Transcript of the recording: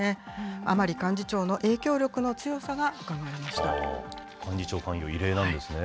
甘利幹事長の影響力の強さがうか幹事長関与、異例なんですね。